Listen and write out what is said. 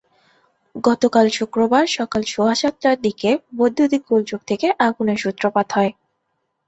গতকাল শুক্রবার সকাল সোয়া সাতটার দিকে বৈদ্যুতিক গোলযোগ থেকে আগুনের সূত্রপাত হয়।